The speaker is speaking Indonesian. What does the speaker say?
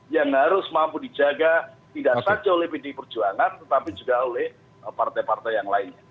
yang harus mampu dijaga tidak saja oleh pdi perjuangan tetapi juga oleh partai partai yang lainnya